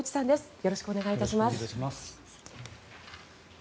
よろしくお願いします。